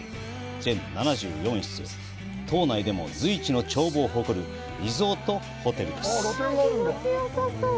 全７４室、島内でも随一の眺望を誇るリゾートホテルです。